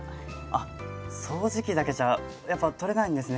あっ掃除機だけじゃやっぱ取れないんですね